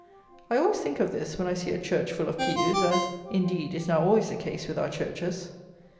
I always think of this, when I see a church full of pews; as, indeed, is now always the case with our churches.